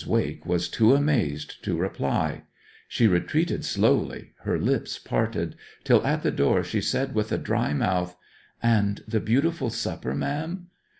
Wake was too amazed to reply; she retreated slowly, her lips parted; till at the door she said with a dry mouth, 'And the beautiful supper, ma'am?'